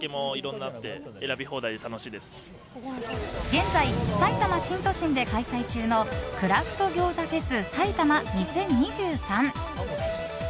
現在さいたま新都心で開催中のクラフト餃子フェスＳＡＩＴＡＭＡ２０２３。